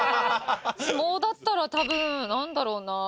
相撲だったら多分なんだろうな。